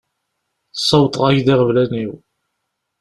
Ssawḍeɣ-ak-d iɣeblan-iw.